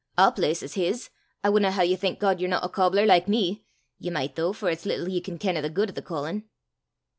"A' place is his. I wudna hae ye thank God ye're no a cobbler like me! Ye micht, though, for it's little ye can ken o' the guid o' the callin'!"